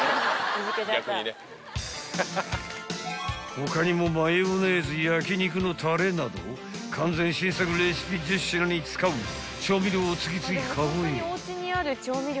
［他にもマヨネーズ焼肉のたれなど完全新作レシピ１０品に使う調味料を次々カゴへ］